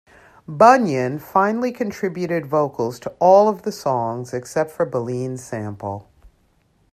Bunyan finally contributed vocals to all of the songs except for "Baleen Sample".